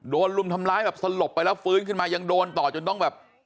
ลุมทำร้ายแบบสลบไปแล้วฟื้นขึ้นมายังโดนต่อจนต้องแบบ